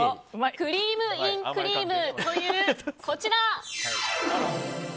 クリームｉｎクリームというこちら。